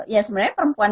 ya sebenarnya perempuan